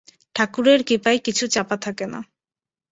ঠাকুরের কৃপায় কিছু চাপা থাকে না।